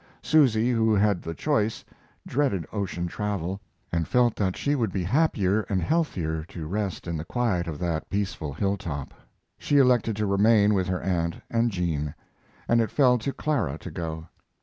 Susy, who had the choice, dreaded ocean travel, and felt that she would be happier and healthier to rest in the quiet of that peaceful hilltop. She elected to remain with her aunt and jean; and it fell to Clara to go.